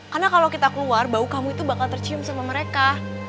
karena kalau kita keluar bau kamu itu bakal tercium sama mereka